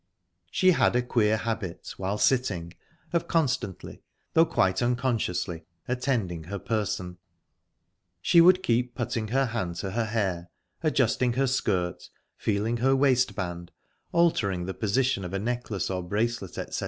She had a queer habit, while sitting, of constantly, though quite unconsciously, attending her person. She would keep putting her hand to her hair, adjusting her skirt, feeling her waist band, altering the position of a necklace or bracelet, etc.